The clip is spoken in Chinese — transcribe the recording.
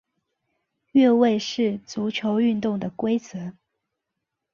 越位是足球运动的规则。